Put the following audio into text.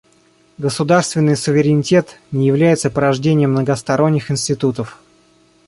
Государственный суверенитет не является порождением многосторонних институтов.